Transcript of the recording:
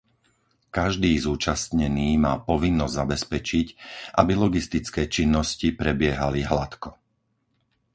Každý zúčastnený má povinnosť zabezpečiť, aby logistické činnosti prebiehali hladko.